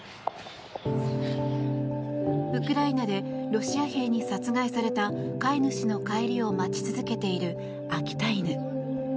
ウクライナでロシア兵に殺害された飼い主の帰りを待ち続けている秋田犬。